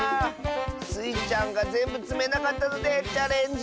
スイちゃんがぜんぶつめなかったのでチャレンジ